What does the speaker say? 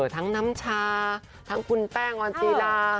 ทั้งน้ำชาทั้งคุณแป้งออนจีลา